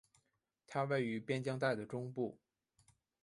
它位于边疆带的中部。